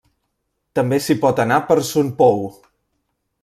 També s'hi pot anar per Son Pou.